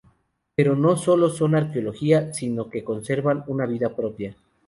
Pero no sólo son arqueología, sino que conservan una vida propia.